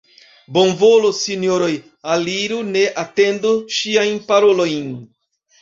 Bonvolu, sinjoroj, aliru, ne atentu ŝiajn parolojn!